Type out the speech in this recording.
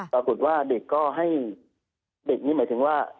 ปรากฏว่าเด็กก็ให้เด็กนี้หมายถึงว่า